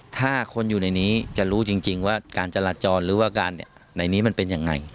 ถ้าคนอยู่ในนี้จะรู้จริงว่าการจราจรหรือว่าการในนี้มันเป็นยังไง